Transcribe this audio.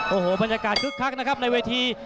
โอ้โหบรรยากาศคึกคักนะครับในเวที